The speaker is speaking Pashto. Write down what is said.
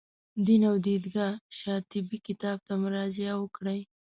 دین از دیدګاه شاطبي کتاب ته مراجعه وکړئ.